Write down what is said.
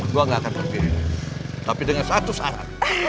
gue gak akan pergi tapi dengan satu saran